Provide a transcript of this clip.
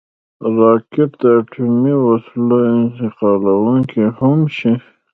راکټ د اټومي وسلو انتقالونکی هم شي